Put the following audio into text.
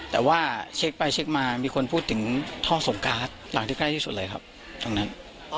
แต่ว่าเช็คไปเช็คมามีคนพูดถึงท่อส่งการ์ดหลังที่ใกล้ที่สุดเลยครับตรงนั้น